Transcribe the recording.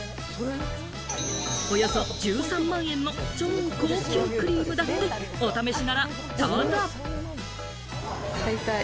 およそ１３万円の超高級クリームだって、お試しならタダ！